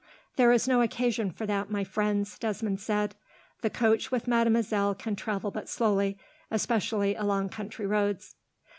"There is no occasion for that, my friends," Desmond said. "The coach with mademoiselle can travel but slowly, especially along country roads."